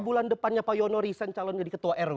bulan depannya pak yono riset calon jadi ketua rw